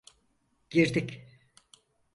Girdik.